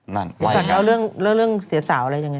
ก่อนเอาเรื่องเสียสาวอะไรยังไง